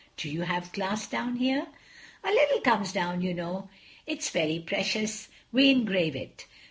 "Do you have glass down here?" "A little comes down, you know. It is very precious. We engrave it.